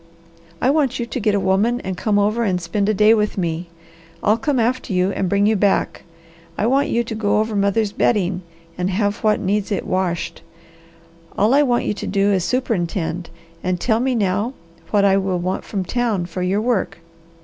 "I want you to get a woman and come over and spend a day with me. I'll come after you and bring you back. I want you to go over mother's bedding and have what needs it washed. All I want you to do is to superintend, and tell me now what I will want from town for your work."